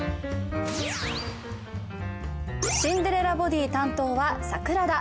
シンデレラボディ担当は櫻田。